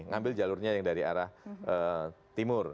ngambil jalurnya yang dari arah timur